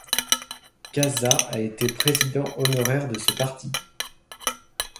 Kasza a été président honoraire de ce parti.